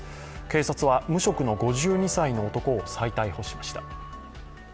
警察は、無職の５２歳の男を再逮捕しました。